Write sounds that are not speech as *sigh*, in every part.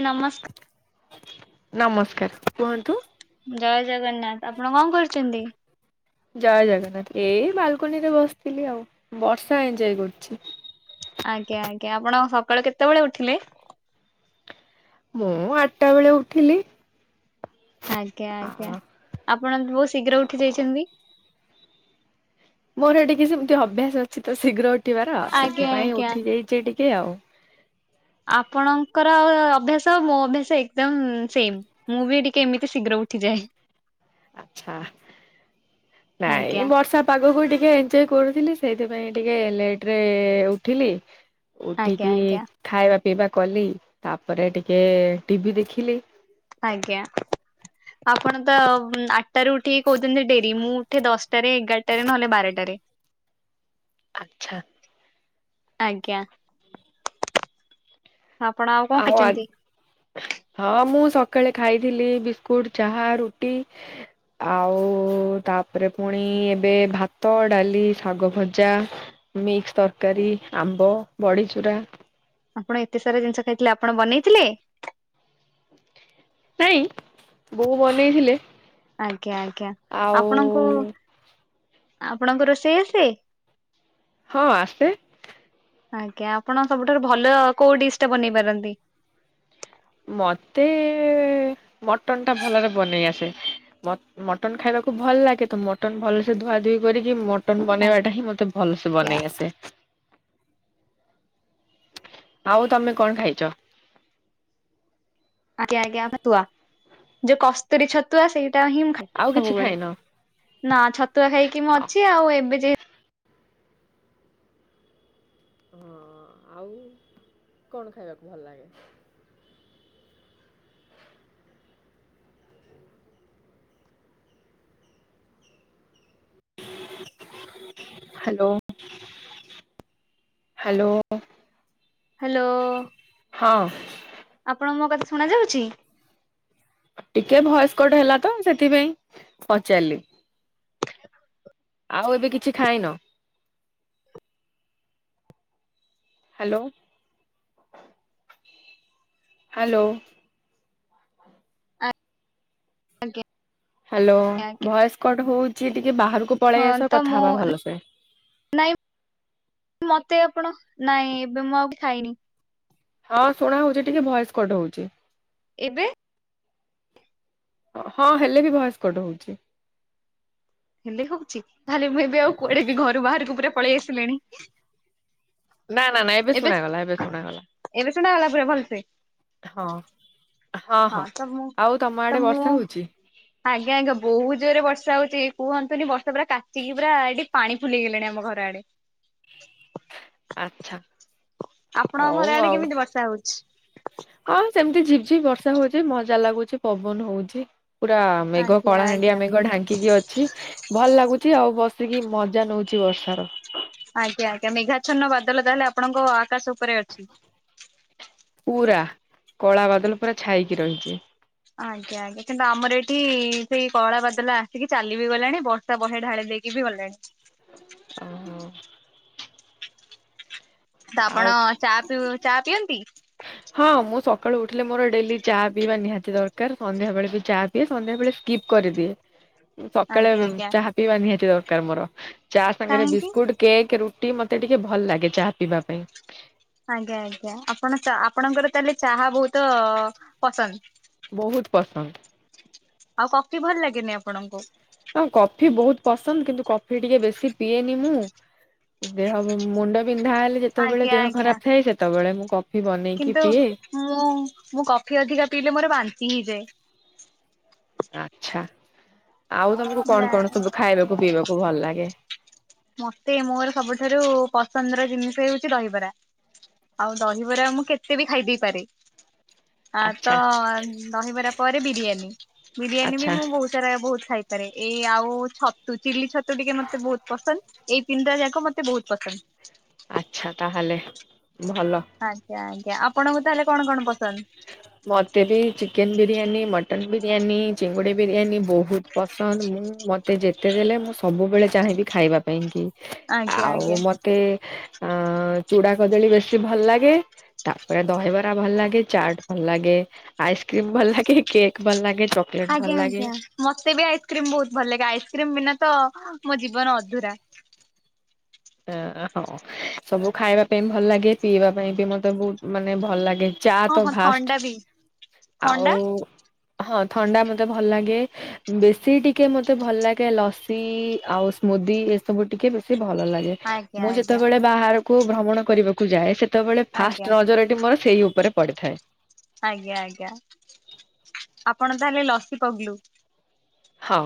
ନମସ୍କାର। ନମସ୍କାର କୁହନ୍ତୁ। ଜୟ ଜଗନ୍ନାଥ ଆପଣ କଣ କରୁଛନ୍ତି। ଜୟ ଜଗନ୍ନାଥ ଏଇ ବାଲକନି ରେ ବସିଥିଲି ଆଉ ବର୍ଷା ଏଞଜୟ କରୁଛି। ଆଜ୍ଞା ଆଜ୍ଞା ଆପଣ ସକାଳୁ କେତେବେଳେ ଉଠିଲେ। ମୁଁ ଆଠଟା ବେଳେ ଉଠିଲି। ଆଜ୍ଞା ଆ ଆଜ୍ଞା ଆପଣ ବହୁତ ଶୀଘ୍ର ଉଠି ଯାଇଛନ୍ତି। ମୋର ଟିକେ ସେମିତି ଅଭ୍ୟାସ ଅଛି ତ ଶୀଘ୍ର ଉଠିବାର ଆଜ୍ଞା ସେଥିପାଇଁ ଆଜ୍ଞା। ଉଠି ଯାଇଛ ଟିକେ ଆଉ। ଆପଣଙ୍କର ଅଭ୍ୟାସ ମୋ ଅଭ୍ୟାସ ଏକଦମ ସେମ। ମୁଁ ବି ଟିକେ ଏମିତି ଶୀଘ୍ର ଉଠିଯାଏ। ଆଛା ନାଇଁ ଆଜ୍ଞା ଵର୍ଷା ପାଗକୁ ଟିକେ ଆଞ୍ଜଏ କରୁଥିଲି ସେଇଥିପାଇଁ ଟିକେ ଉଠିଲି। ଆଜ୍ଞା ଉଠିକି ଆଜ୍ଞା ଖାଇବା ପିଇବା କଲି ତାପରେ ଟିକେ ଟିଭି ଦେଖିଲି। ଆଜ୍ଞା। ଆପଣ ତ ଆଠଟାରୁ ଉଠିକି କହୁଛନ୍ତି ଡେରି ମୁଁ ଉଠେ ଦଶଟାରେ। ଏଗାର *unintelligible* ନହେଲେ ବାରିପଟେ। ଆଛା। ଆଜ୍ଞା ଆପଣ ଆଉ କଣ ଖାଇଛନ୍ତି। ହଁ ମୁଁ ସକାଳେ ଖାଇଥିଲି ବିସ୍କୁଟ ଚାହା ରୁଟି। ଆଉ ତାପରେ ପୁଣି ଏବେ, ଭାତ, ଡାଲି, ଶାଗ, ଭଜା। ମିକ୍ସ, ତରକାରୀ, ଆମ୍ବ, ବଡ଼ିଚୂୁରା। ଆପଣ ଏତେ ସାରା ଜିନିଷ ଖାଇଥିଲେ, ଆପଣ ବନେଇଥିଲେ? ନାଇଁ ବୋଉ ବନେଇଥିଲେ। ଆଜ୍ଞା ଆଜ୍ଞା ଆଉ ଆପଣଙ୍କୁ ଆପଣଙ୍କୁ ରୋଷେଇ ଆସେ? ହଁ ଆସେ। ଆଜ୍ଞା ଆପଣ ସବୁଠାରୁ ଭଲ କୋଉ ଡିଶ ଟା ବନେଇ ପାରନ୍ତି? ମତେ ଏ ମଟନ ଟା ଭଲରେ ବନେଇ ଆସେ। ମଟନ୍ ଖାଇବାକୁ ଭଲ ଲାଗେ ତ ମଟନ ଭଲସେ ଧୁଆ ଧୁଇ କରିକି। ମ ମଟନ, ବନେଇବାଟା ହିଁ ମତେ ଭଲସେ ଆଜ୍ଞା ବନେଇ ଆସେ। ଆଉ ତମେ କଣ କରୁଚ? ଆଜ୍ଞା ଆଜ୍ଞା ଛତୁଆ। ଯୋଉ କସ୍ତୁରୀ ଛତୁଆ ସେଇଟା ହିଁ ମୁ ଖାଏ ଆଉ କିଛି ସବୁବେଳେ। ଖାଇନ? ନା ଛତୁଆ ଖାଇକି ମୁଁ ହଁ। ଅଛି ଆଉ ଏବେ ଯେ ହଁ ଆଉ କଣ ଖାଇବାକୁ ଭଲ ଲାଗେ? Hello hello. ହ୍ୟାଲୋ। ହଁ। ଆପଣଙ୍କୁ ମୋ କଥା ଶୁଣା ଯାଉଛି? ଟିକେ ଭୟସ୍ କଟ ହେଲା ତ ସେଥିପାଇଁ ପଚାରିଲି। ଆଉ ଏବେ କିଛି ଖାଇନ? ହ୍ୟାଲୋ। ହ୍ୟାଲୋ। ଆଜ୍ଞା ହ୍ୟାଲୋ ଆଜ୍ଞା ଭଏସ୍ କଡ଼୍ ହେଉଛି, ଟିକେ ବାହାରକୁ ପଳେଇ ହଁ ଆସ ତ କଥା ମୁଁ ହେବା ଭଲସେ। ନାଇଁ ମତେ ଆପଣ ନାଇଁ ଏବେ ମୁଁ ଆଉ ଖାଇନି। ହଁ ଶୁଣା ହଉଛି ଟିକେ ଭଏସ କଟ ହଉଛି। ଏବେ। ହଁ ହେଲେ ବି ଭଏସ କଟ ହଉଛି। ହେଲେ ହଉଛି ତାହେଲେ ମୁଁ ଏବେ ଆଉ କୁଆଡେ ବି ଘରୁ ବାହାରକୁ ପୁରା ପଳେଇ ଆସିଲିଣି। ନା ନା ନା ଏବେ ଶୁଣାଗଲା ଶୁଣାଗଲା ଏବେ ଶୁଣାଗଲା ପୁରା ଭଲସେ। ହଁ ହଁ ହଁ ତ ମୁଁ ଆଉ ତମ ତ ଆଡେ ମୁଁ ବର୍ଷା ହଉଛି? ଆଜ୍ଞା ଆଜ୍ଞା ବହୁତ ଜୋରରେ ବର୍ଷା ହଉଛି କୁହନ୍ତୁି ବର୍ଷା ପା କାଚିକି ପୁରା ଏଠି ପାଣି ଫୁଲିଗଲାଣି ଆମ ଘର ଆଡେ। ଆଚ୍ଛା ଆପଣଙ୍କ ହଉ ଘର ଆଡେ ଆଉ। କେମିତି ବର୍ଷା ହଉଛି। ହଁ ସେମ୍ତି ଝିପ୍ ଝିପ୍ ବର୍ଷା ହୋଉଚି ମଜା ଲାଗୁଚି ପବନ୍ ହୋଉଛି। ପୁରା ମେଘ ଆଜ୍ଞା କଳାହାଣ୍ଡିଆ ଆଜ୍ଞା ମେଘ ଢାଙ୍କିକି ଅଛି। ଭଲ୍ ଲାଗୁଚି ଆଉ ବସିକି ମଜା ନୋଉଚି ବର୍ଷାର। ଆଜ୍ଞା ଆଜ୍ଞା ମେଘାଛନ୍ନ ବାଦଲ ତାହେଲେ ଆପଣଙ୍କ ଆକାଶ ଉପରେ ଅଛି। ପୁରା କଳା ବଦଲ୍ ପୁରା ଛାଇକି ରହିଛି। ଆଜ୍ଞା ଆଜ୍ଞା କିନ୍ତୁ ଆମର ଏଠି ସେଇ କଳା ବାଦଲା ଆସିକି ଚାଲି ବିି ଗଲାଣି ବ ତ ବହେ ଢାଳି ଦେଇକି ବି ଗଲେଣି। ଅ ହଁ। ତ ଆଉ ଆପଣ ଚା ପିଉ ଚା ପିଅନ୍ତି? ହଁ ମୁଁ ସକାଳୁ ଉଠିଲେ ମୋର ଡେଲି ଚା ପିଇବା ନିହାତି ଦର୍କାର, ସନ୍ଧ୍ୟା ବେଳେ ବି ଚା ଏ ସନ୍ଧ୍ୟାବେଳେ ସ୍କିପ୍ କରିଦିଏ। ସକାଳେ ଆଜ୍ଞା ଆଜ୍ଞା ଚାହା ପିଇବା ନିହାତି ଦର୍କାର୍ ମୋର ଚା ସାଙ୍ଗରେ କାହିଁକି? ବିସ୍କୁଟ୍ କେକ୍ ରୁଟି ମତେ ଟିକେ ଭଲ୍ ଲାଗେ ଚାହା ପିଇବା ପାଇଁ। ଆଜ୍ଞା ଆଜ୍ଞା ଆପଣ ତ ଆପଣଙ୍କର ତାହେଲେ ଚାହା ବୋହୁତ ପସନ୍ଦ୍? ବୋହୁତ୍ ପସନ୍ଦ୍। ଆଉ କଫି ଭଲ୍ ଲାଗେନି ଆପଣଙ୍କୁ? ହଁ କଫି ବୋହୁତ୍ ପସନ୍ଦ୍ କିନ୍ତୁ କଫି ଟିକେ ବେଶି ପିଏନି ମୁଁ। ଦେହ ମୁଣ୍ଡ ବିନ୍ଧା ହେଲେ ଯେତେବେଳେ ଆଜ୍ଞା ଦେହ ଆଜ୍ଞା ଖରାପ ଥାଏ ସେତେବେଳେ ମୁଁ କଫି ବନେଇକି କିନ୍ତୁ ପିଏ। ମୁଁ ମୁଁ କଫି ଅଧିକା ପିଇଲେ ମୋର ବାନ୍ତି ହେଇଯାଏ। ଆଛା ଆଉ ତମୁକୁ ମୁଁ ଯା କଣ କଣ ସବୁ ଖାଇବାକୁ ପିଇବାକୁ ଭଲ୍ ଲାଗେ? ମତେ ମୋର ସବୁଠାରୁ ପସନ୍ଦର ଜିନିଷ ହେଉଛି ରହିବରା। ଆଉ ଦହିବରା ମୁଁ କେତେ ବି ଖାଇଦେଇ ପାରେ। ଆ ତ ଆଚ୍ଛା ରହିବାର ପରେ ବିରିୟାନୀ, ବିରିୟାନୀ ବି ଆଚ୍ଛା ମୁଁ ବୋହୁ ବୋହୁତ୍ ଖାଇପାରେ ଏଇ ଆଉ ଛତୁ ଚିଲି ଛତୁ ଟିକେ ମତେ ବୋହୁତ୍ ପସନ୍ଦ୍। ଏଇ ତିନ୍ଟା ଯାକ ମୋତେ ବୋହୁତ୍ ପସନ୍ଦ୍। ଆଚ୍ଛା ତାହେଲେ ଭଲ। ଆଜ୍ଞା ଆଜ୍ଞା ଆପଣଙ୍କୁ ତାହେଲେ କଣ କଣ ପସନ୍ଦ୍? ମୋତେ ବି ଚିକେନ୍ ବିରିୟାନୀ ମଟନ୍ ବିରିୟାନୀ ଚିଙ୍ଗୁଡ଼ି ବିରିୟାନୀ ବୋହୁତ୍? ପସନ୍ଦ୍ ମୁଁ ମତେ ଯେତେ ଦେଲେ ମୁଁ ସବୁବେଳେ ଚାହିଁବି ଖାଇବା ପାଇଁ କି। ଆଜ୍ଞା ଆଉ ଆଜ୍ଞା ମତେ ଅ ଚୂଡା କଦଳୀ ବେଶୀ ଭଲ୍ ଲାଗେ। ତାପରେ ଦହି ବରା ଭଲ୍ ଲାଗେ ଚାଟ୍ ଭଲ ଲାଗେ ଆଇସ୍କ୍ରିମ ଭଲ୍ ଲାଗେ କେକ୍ ଭଲ୍ ଲାଗେ ଚ ଆଜ୍ଞା ଆଜ୍ଞା। ମତେ ବି ଆଇସ୍କ୍ରିମ୍ ବୋହୁତ୍ ଭଲ୍ ଲାଗେ ଆଇସ୍କ୍ରିମ୍ ବିନା ତ ମୋ ଜୀବନ ଅଧୁରା। ଏଁ ହଁ ସବୁ ଖାଇବା ପାଇଁ ଭଲ୍ ଲାଗେ ପିଇବା ପାଇଁ ବି ମତେ ବୋହୁତ୍ ମାନେ ଭଲ୍ ଲାଗେ। ଚା ହଁ ତ ହଁ ଫାଷ୍ଟ୍ ଥଣ୍ଡା ବି ଥଣ୍ଡା ଆଉ ହଁ ଥଣ୍ଡା ମତେ ଭଲ୍ ଲାଗେ। ବେଶୀ ଟିକେ ମତେ ଭଲ୍ ଲାଗେ ଲସି ଆଉ ସ୍ମୁଦି ଏସବୁ ଟିକେ ବେଶୀ ଭଲ ଲା ଆଜ୍ଞା ମୁଁ ଆଜ୍ଞା ଯେତେବେଳେ ବାହାରକୁ ଭ୍ରମଣ କରିବାକୁ ଯାଏ ସେତେବେଳେ ଫାଷ୍ଟ୍ ଆଜ୍ଞା ନଜର ମୋର ସେଇ ଉପରେ ପଡିଥାଏ। ଆଜ୍ଞା ଆଜ୍ଞା ଆପଣ ତାହେଲେ ଲସି ପଗ୍ଲୁ? ହଁ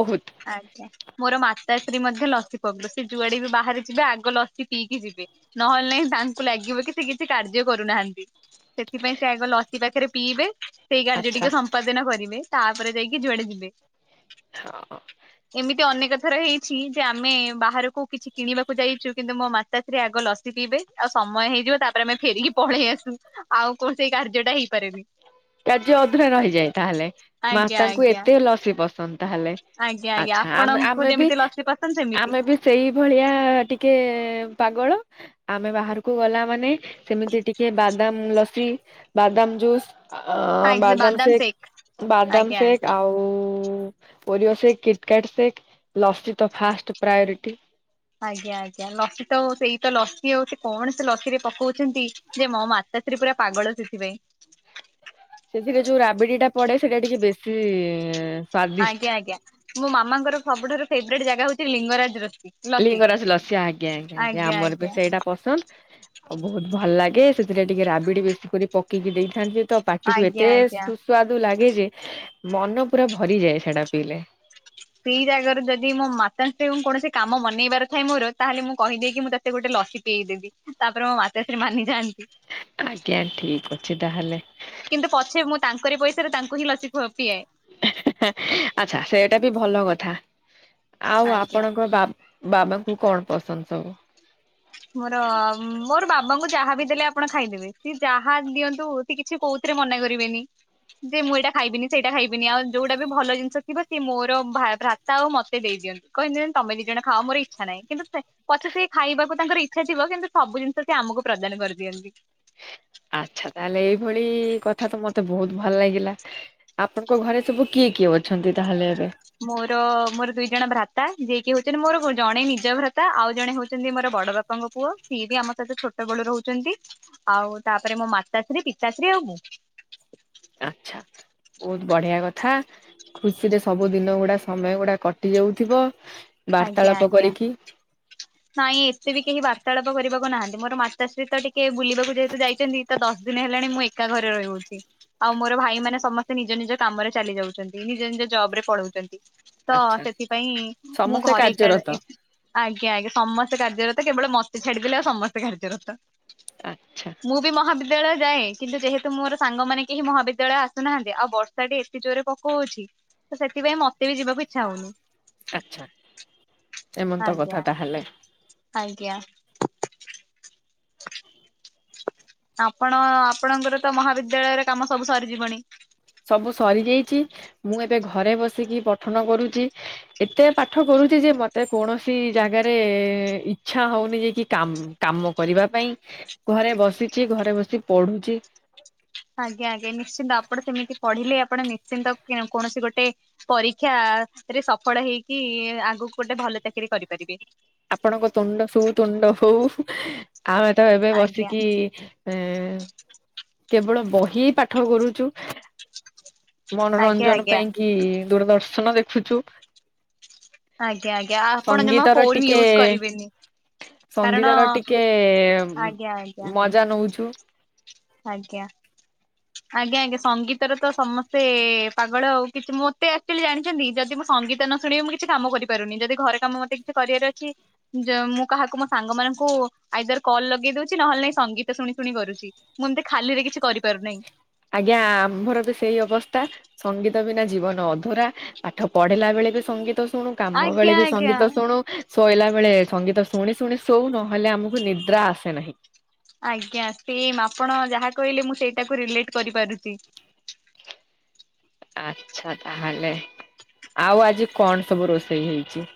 ବୋହୁତ୍। ଆଜ୍ଞା। ମୋର ମାତା ସ୍ତ୍ରୀ ମଧ୍ୟ ଲସି ପଗ୍ଲୁ ସେ ଯୁଆଡେ ବି ବାହାରେ ଯିବେ ଆଗ ଲସି ପିଇକି ଯିବେ। ନହେଲେ ନହିଁ ତାଙ୍କୁ ଲାଗିବ କି ସେ କିଛି କାର୍ଯ୍ୟ କରୁନାହାନ୍ତି। ସେଥିପାଇଁ ସେ ଆଗ ଲସି ପାଖେରେ ପିଇବେ। ସେଇ କାର୍ଯ୍ୟ ଆଚ୍ଛା ଟିକେ ସମ୍ପାଦନ କରିବେ ତାପରେ ଯାଇକି ଯୁଆଡ଼େ ଯିବେ। ହଁ। ଏମିତି ଅନେକ ଥର ହେଇଚି ଯେଆମେ ବାହାରକୁ କିଛି କିଣିବାକୁ ଯାଇଚୁ କିନ୍ତୁ ମୋ ମା ତାପରେ ଆଗ ଲସି ପିଇବେ ଆଉ ସମୟ ହେଇଯିବ ତାପରେ ଆମେ ଫେରିକି ପଳେଇ ଆସୁ ଆଉ କୌଣ ସେଇ କାର୍ଯ୍ୟଟା ହେଇପାରେନି। *inaudible* କାର୍ଯ୍ୟ ଅଧୁରା ରହିଯାଇଏ ତାହେଲେ ଆଜ୍ଞା ମାତାଙ୍କୁ ଆଜ୍ଞା ଏତେ ଲସି ପସନ୍ଦ ତାହେଲେ। ଆଜ୍ଞା ଆଜ୍ଞା ଆଚ୍ଛା ଆମେ ଆପଣଙ୍କୁ ଆମେ ବି ଯେମିତି ଲସିି ପସନ୍ଦ ଆମେ ସେମିତି। ବି ସେଇ ଭଳିଆ ଟିକେ ପାଗଳ ଆମେ ବାହାରକୁ ଗଲା ମାନେ ସେମିତି ଟିକେ ବାଦାମ ଲସି ବାଦାମ ଜୁସ୍ ଅ ବାଦାମ ସେକ୍ ବାଦାମ ଆଜ୍ଞା ସେକ୍ ଆଜ୍ଞା। ଆଉ ପରିବା ସେଟ୍ କିଟ୍ କାଟି୍ ସେଟ୍ ଲସି ତ ଫାଷ୍ଟ ପ୍ରାୟୋରିଟି ଆଜ୍ଞା ଆଜ୍ଞା ଲସିତ ସେଇତ ଲସି ଆଉ ସେକଣ ସେଲସି ରେ ପକଉଚନ୍ତି। ଯେ ମୋ ମାତାଶ୍ରୀ ପୁରା ପାଗଳ ସେଥିପାଇଁ। ସେଥିରେ ଯୋଉ ରାବିଡ଼ିଟା ପଡ଼େ ସେଟା ଟିକେ ବେଶି ଆଜ୍ଞା ଆଜ୍ଞା ମୋ ମାମାଙ୍କର ସବୁଠାରୁ ଫେବରଟ୍ ଜାଗା ହଉଚି ଲିଙ୍ଗରାଜ ରୋ ଲିଙ୍ଗରାଜ ଲସି ଆଜ୍ଞା ଆଜ୍ଞା ଆଜ୍ଞା ଆଜ୍ଞା ଆମରବି ସେଇଟା ପସନ୍ଦ। ଆଉ ବହୁତ୍ ଭଲ ଲାଗେ ସେଥିରେ ଟିକେ ରାବିଡି ବେଶୀ କରି ପକେଇକି ଦେଇଥାନ୍ତିତ ପାଟିକୁ ଆଜ୍ଞା ଏତେ ଆଜ୍ଞା। ସୁ ସ୍ାଦ ଲାଗେଯେ ମନ ପୁରା ଭରିଯାଏ ସେଟା ପିଇଲେ। ସେଇ ଜାଗାରୁ ଯଦି ମୋ ମାତାତ୍ରୀଙ୍କୁ କୌଣସି କାମ ମନେଇବ ଥାଏ ମୋର ତାହେଲେ ମୁଁ କହିଦେଏକି ମୁଁତେ ତତେ ଗୋଟେ ଲସି ପିଇଦେବି ତାପରେ ମୋ ମା ଆଜ୍ଞା ଠିକ୍ ଅଛି ତାହେଲେ। କିନ୍ତୁ ପଛେ ମୁଁ ତାଙ୍କରି ପଇସାରେ ତାଙ୍କୁ ହିଁ ଲସି ଖୁ ପିଆଏ। ଆଚ୍ଛା ସେଇଟାବି ଭଲ କଥା ଆଉ ଆଜ୍ଞା। ଆପଣଙ୍କ ବା ବାବାଙ୍କୁ କଣ ପସନ୍ଦ ସବୁ? ମୋର ମୋର ବାବାଙ୍କୁ ଯାହାବି ଦେଲେ ଆପଣ ଖାଇଦେବେ ସିଏ ଯାହା ଦିଅନ୍ତୁ। ସେକିଛି କଉଥିରେ ମନା କରିବେନି। ଯେ ମୁଁ ଏଇଟା ଖାଇବିନି ସେଇଟା ଖାଇବିନି ଆଉ ଯୋଉଟାବି ଭଲ ଜିନିଷ ଥିବ ସିଏ ମୋର ଭା ଭ୍ରା ଥାଉ ମତେ ଦେଇଦିଅନ୍ତି କହଦେନ୍ତି ତମେ ଦିଇ ଜଣ ଖାଅ ମୋର ଇଚ୍ଛା ନାହିଁ କିନ୍ତୁ ପଛେ ସେ ଖାଇବାକୁ ତାଙ୍କର ଇଚ୍ଛା ଥିବ କିନ୍ତୁ ସବୁ ଜିନିଷ ସେଆମକୁ ପ୍ରଦାନ କରିଦିଅନ୍ତି। ଆଚ୍ଛା ତାହେଲେ ଏଇଭଳି କଥାତ ମତେ ବହୁତ୍ ଭଲ ଲାଗିଲା। ଆପଣଙ୍କ ଘରେ ସବୁ କିଏ କିଏ ଅଛନ୍ତି ତାହେଲେ ଏବେ? ମୋର ମୋର ଦିଜଣ ଭ୍ରାତା ଯିଏକି ହଉଚନ୍ତି ମୋର ଜଣେ ନିଜ ଭ୍ରାତା ଆଉ ଜଣେ ହଉଚନ୍ତି ମୋର ବଡ଼ ବାପା ବାପାଙ୍କ ପୁଅ ସିଏବି ଆମ ସହିତ ଛୋଟବେଳୁ ରହୁଚନ୍ତି। ଆଉ ତାପରେ ମୋ ମାତାଶ୍ରୀ ପିତାଶ୍ରୀ ଆଉ ମୁଁ। ଆଚ୍ଛା ବହୁତ୍ ବଢ଼ିଆ କଥା। ଖୁସିରେ ସବୁ ଦିନ ଗୁଡ଼ା ସମୟ ଗୁଡ଼ା କଟି ଯାଉଥିବ ଆଜ୍ଞା ବାର୍ତାଳାପ ଆଜ୍ଞା। କରିକି। ନାଇଁ ଏତେବି କେହି ବାର୍ତ୍ତାଳାପ କରିବାକୁ ନାହାନ୍ତି ମୋର ମାତାଶ୍ରୀ ତ ଟିକିଏ ବୁଲିବାକୁ ଯେହେତୁ ଯାଇଚନ୍ତି। ତ ଦଶ ଦିନ ହେଲାଣି ମୁଁ ଏକା ଘରେ ରହିହଉଚି। ଆଉ ମୋର ଭାଇ ମାନ ସମସ୍ତେ ନିଜ ନିଜ କାମରେ ଚାଲି ଯାଉଚନ୍ତି ନିଜ ନିଜ ଜବ୍ ରେ ପଳଉଚନ୍ତି। ତ ଆଚ୍ଛା ସେଥିପାଇଁ ମୁଁ ସମସ୍ତେ ଘରେ ଏ କାର୍ଯ୍ୟରତ ଏକା ଆଜ୍ଞା ଆଜ୍ଞା। ସମସ୍ତେ କାର୍ଯ୍ୟରତ କେବଳ ମତେ ଛାଡିଦେଲେ ଆଉ ସମସ୍ତେ କାର୍ଯ୍ୟରତ ଆଚ୍ଛା ମୁବି ମହାବି ବିଦ୍ୟାଳୟ ଯାଏ କିନ୍ତୁ ଯେହେତୁ ମୋର ସାଙ୍ଗମାନେ କେହି ମହାଦ୍ୟାଳୟ ଆସୁନାହାନ୍ତି ଆଉ ବର୍ଷାଟି ଏତେ ଜୋରେ ପକୋଉଚି। ତସେଥିପାଇ ମତେବି ଯିବାକୁ ଇଚ୍ଛା ହଉନି। ଆଚ୍ଛା ଏମନ୍ ତ ଆଜ୍ଞା କଥା ତାହଲେ। ଆଜ୍ଞା। ଆପଣ ଆପଣଙ୍କର ତ ମହାବିଦ୍ୟାଳୟରେ କାମ ସବୁ ସରିଯିବଣୀ। ସବୁ ସରିଯାଇଛି ମୁଁ ଏବେ ଘରେ ବସିକି ପଠନ କରୁଚି। ଏତେ ପାଠ କରୁଛି ଯେ ମତେ କୌଣସି ଜାଗାରେ ଇଚ୍ଛା ହଉନି ଯେ କି କାମ କାମ କରିବା ପାଇଁ ଘରେ ବସିଚି ଘରେ ବସି ପଢୁଚି। ଆଜ୍ଞା ଆଜ୍ଞା ନିଶ୍ଚିନ୍ତ ଆପଣ ସେମିତି ପଢିଲେ ଆପଣ ନିଶ୍ଚିନ୍ତ ଯେ କୌଣସି ଗୋଟେ ପରୀକ୍ଷା ରେ ସଫଳ ହେଇକି ଆଗୁକୁ ଗୋଟିଏ ଭଲ ଚାକିରି କରିପାରିବେ। ଆପଣଙ୍କ ତୁଣ୍ଡ ସୁତୁଣ୍ଡ ହଉ ଆମେ ତ ଏବେ ଆଜ୍ଞା ବସିକି ଏଁ କେବଳ ବହି ପାଠ କରୁଚୁ। ଆଜ୍ଞା ମନୋରଞ୍ଜନ ଆଜ୍ଞା ପାଇଁ କି ଦୂରଦର୍ଶନ ଦେଖୁଚୁ। ଆଜ୍ଞା ଆଜ୍ଞା ଆପଣ ଜମା ହୁ ଟିକେ କାରଣ ସଙ୍ଗୀତ ର ଟିକେ ଆଜ୍ଞା ଆଜ୍ଞା ମଜ ମଜା ନୋଉଛୁ। ଆଜ୍ଞା। ଆଜ୍ଞା ଆଜ୍ଞା ସଙ୍ଗୀତର ତ ସମସ୍ତେ ପାଗଳ ଆଉ କିଛି ମୋତେ ଆକ୍ଚୁଆଲି ଜାଣିଛନ୍ତି ଯଦି ମୁଁ ସଙ୍ଗୀତ ନ ଶୁଣିବି ମୁଁ କି କିଛି କାମ କରିପାରୁନି ଯଦି ଘରେ କାମ ମତେ କିଛି କରିଆର ଅଛି ଯ ମୁଁ କାହାକୁ ମୋ ସାଙ୍ଗ ମାନଙ୍କୁ ଆଇଦର କଲ ଲଗେଇ ଦଉଛି ନହେଲେ ନାଇ ସଙ୍ଗୀତ ଶୁଣି ଶୁଣି କରୁଚି। ମୁଁ ଏମିତି ଖାଲିରେ କିଛି କରିପାରୁନେଇଁ। ଆଜ୍ଞା ଆମର ବି ସେଇ ଅବସ୍ଥା। ସଙ୍ଗୀତ ବିନା ଜୀବନ ଅଧୁରା ପାଠ ପଢିଲା ବେଳେ ବି ସଙ୍ଗୀତ ଶୁଣୁ। କାମ ଆଜ୍ଞା ବେଳେ ବି ଆଜ୍ଞା ସଙ୍ଗୀତ ଶୁଣୁ। ଶୋଇଲା ବେଳେ ସଙ୍ଗୀତ ଶୁଣି ଶୁଣି ଶୋଉ ନହେଲେ ଆମକୁ ନିଦ୍ରା ଆସେ ନାହିଁ। ଆଜ୍ଞା ସେମ ଆପଣ ଯାହା କହିଲେ ମୁଁ ସେଇଟାକୁ ରିଲେଟ କରିପାରୁଚି। ଆଛା ତାହେଲେ ଆଉ ଆଜି କଣ ସବୁ ରୋଷେଇ ହେଇଚି।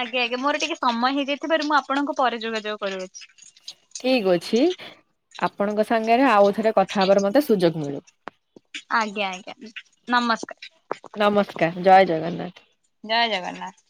ଆଜ୍ଞା ଆଜ୍ଞା ମୋର ଟିକିଏ ସମୟ ହେଇଯାଇଥିବାରୁ ମୁଁ ଆପଣଙ୍କୁ ପରେ ଯୋଗାଯୋଗ କରୁଅଛି। ଠିକ ଅଛି। ଆପଣଙ୍କ ସାଙ୍ଗରେ ଆଉ ଥରେ କଥା ହବାର ମତେ ସୁଯୋଗ ମିଳୁ। ଆଜ୍ଞା ଆଜ୍ଞା। ନମସ୍କାର। ନମସ୍କାର ଜୟ ଜଗନ୍ନାଥ। ଜୟ ଜଗନ୍ନାଥ।